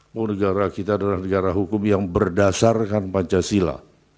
bahwa negara kita adalah negara hukum yang berdasarkan pancasila